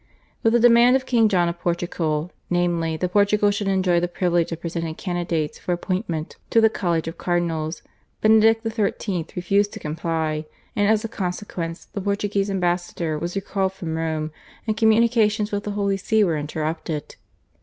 With the demand of King John of Portugal, namely, that Portugal should enjoy the privilege of presenting candidates for appointment to the college of cardinals, Benedict XIII. refused to comply, and as a consequence the Portuguese ambassador was recalled from Rome and communications with the Holy See were interrupted.